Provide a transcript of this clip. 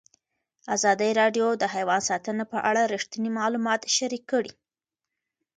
ازادي راډیو د حیوان ساتنه په اړه رښتیني معلومات شریک کړي.